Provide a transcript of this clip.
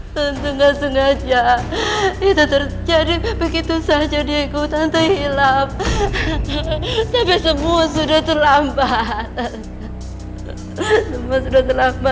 tentu nggak sengaja itu terjadi begitu saja dia ikutan terhilang tapi semua sudah terlambat